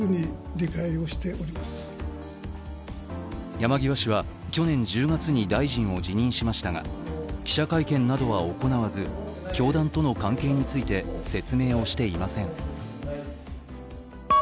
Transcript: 山際氏は去年１０月に大臣を辞任しましたが、記者会見などは行わず、教団との関係について説明をしていません。